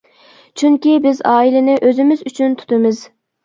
چۈنكى، بىز ئائىلىنى ئۆزىمىز ئۈچۈن تۇتىمىز.